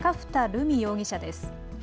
留美容疑者です。